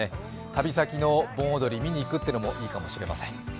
旅先の盆踊り見に行くのもいいかもしれません。